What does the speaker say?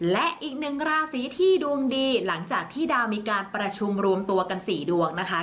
และอีกหนึ่งราศีที่ดวงดีหลังจากที่ดาวมีการประชุมรวมตัวกัน๔ดวงนะคะ